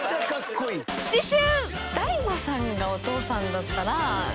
［次週］